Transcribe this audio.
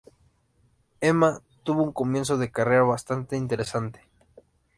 Emma tuvo un comienzo de carrera bastante interesante.